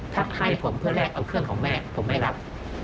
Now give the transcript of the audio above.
ถ้าให้ผมเพื่อแลกเอาเครื่องของแม่ผมไม่รับ